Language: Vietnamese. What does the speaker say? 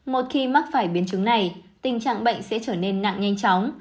một khi mắc phải biến chứng này tình trạng bệnh sẽ trở nên nặng nhanh chóng